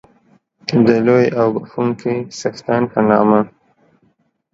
د لوی او بخښونکی څښتن په نامه